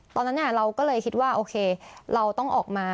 ตอนนั้นเราก็เลยคิดว่าโอเคเราต้องออกมา